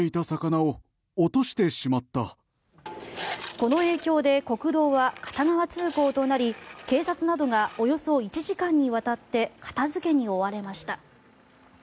この影響で国道は片側通行となり警察などがおよそ１時間にわたって片付けに追われました。